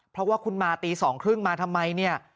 เพราะว่าคุณตีสองครึ่งมาทำไมเนี่ย